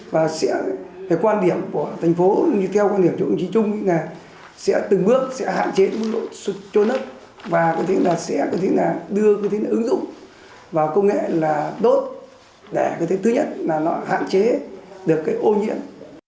và sẽ cái quan điểm của thành phố như theo quan điểm chủ tịch chí trung là sẽ từng bước sẽ hạn chế cái lộ dung cho nước và có thể là sẽ có thể là đưa có thể là ứng dụng vào công nghệ là đốt để có thể thứ nhất là nó hạn chế được cái ô nhiễm